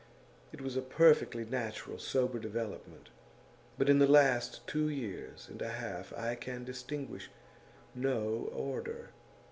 It was a perfectly natural, sober development. But in the last two years and a half I can distinguish no order.